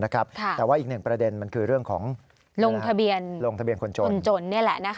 ค่ะแต่ว่าอีกหนึ่งประเด็นมันคือเรื่องของลงทะเบียนขนจน